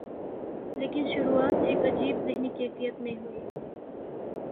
لیکن شروعات ایک عجیب ذہنی کیفیت میں ہوئی۔